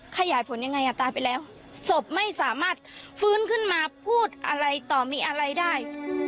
ขยายผลยังไงอ่ะตายไปแล้วศพไม่สามารถฟื้นขึ้นมาพูดอะไรต่อมีอะไรได้